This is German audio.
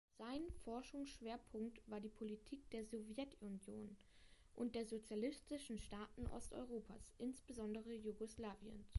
Sein Forschungsschwerpunkt war die Politik der Sowjetunion und der sozialistischen Staaten Osteuropas, insbesondere Jugoslawiens.